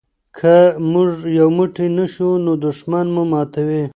که موږ یو موټی نه شو نو دښمن مو ماتوي.